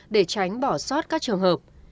để tránh bỏ sót các trường hợp